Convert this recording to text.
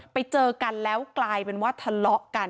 ไปเจอกันแล้วกลายเป็นว่าทะเลาะกัน